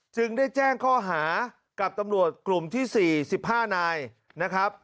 จึงได้แจ้งข้อหากับตำรวจกลุ่มที่๔๕นายนะครับ